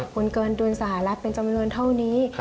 คุณเกินดุลสหรัฐเป็นจำนวนเท่านี้